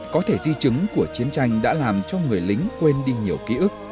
có thể di chứng của chiến tranh đã làm cho người lính quên đi nhiều ký ức